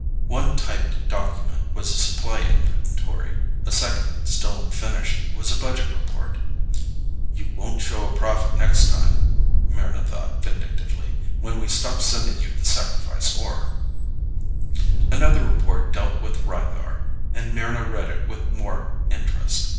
One typed document was a supply inventory; a second, still unfinished, was a budget report. (You won't show a profit next time, Mryna thought vindictively, when we stop sending you the sacrifice ore.) Another report dealt with Rythar, and Mryna read it with more interest.